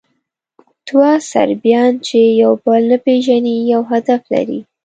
دوه صربیان، چې یو بل نه پېژني، یو هدف لري.